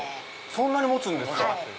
そんなに持つんですか！